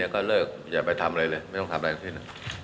ก็เลิกอย่าไปทำอะไรเลยไม่ต้องทำอะไรทั้งสิ้น